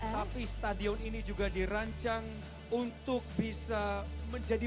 tapi stadion ini juga dirancang untuk bisa menjadi